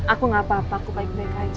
aku gak apa apa aku baik baik aja